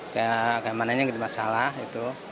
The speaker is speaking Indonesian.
gak mananya masalah itu